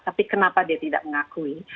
tapi kenapa dia tidak mengakui